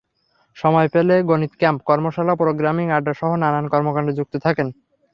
সময় পেলে গণিত ক্যাম্প, কর্মশালা, প্রোগ্রামিং আড্ডাসহ নানান কর্মকাণ্ডে যুক্ত থাকেন।